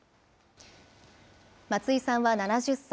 松井さんは７０歳。